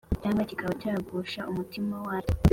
cyangwa kikaba cyagusha umutima wayo.